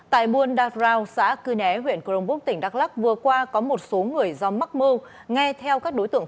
tại buôn đạt rào xã cư né huyện cường búc tỉnh đắk lắc vừa qua có một số người do mắc mưu nghe theo các đối tượng